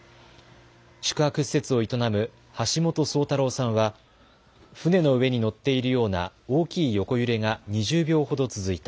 宿泊施設を営む橋元宗太郎さんは船の上に乗っているような大きい横揺れが２０秒ほど続いた。